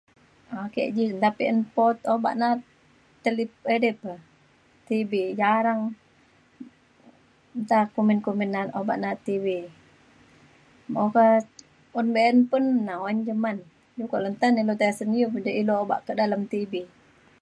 ake ji nta un po obak tele- na’at edei pa TV jarang nta kumbin kumbin na’at obak na’at TV. mo’o pa un be’un pun nawan je man kok len te tai nai asen lu je kak obak iu dalem TV